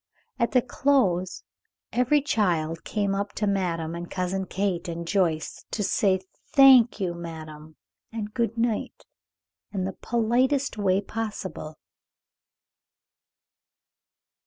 At the close every child came up to madame and Cousin Kate and Joyce, to say "Thank you, madame," and "Good night," in the politest way possible.